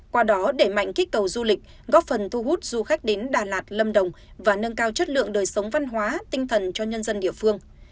qua đó để mạnh kích cầu du lịch góp phần thu hút du khách đến đà lạt lâm đồng và nâng cao chất lượng đời sống văn hóa tinh thần cho nhân dân địa phương